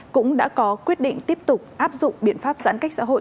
cũng đã có quyết định tiếp tục áp dụng biện pháp giãn cách xã hội